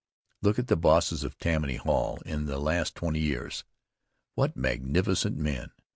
Look at the bosses of Tammany Hall in the last twenty years. What magnificent men!